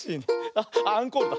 あっアンコールだ。